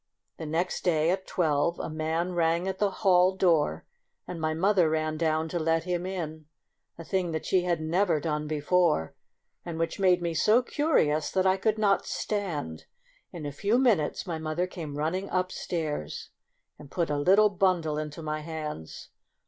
The next day, at twelve, a man rang at the hall door, and my mother ran down to let him in, a thing that she had never done before, and which made me so curious that I could not stand. In a few minutes my mother came running up stairs, and put a little bundle into my hands.